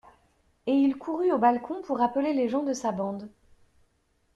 Et il courut au balcon pour appeler les gens de sa bande.